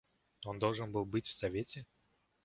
Он должен был быть в совете?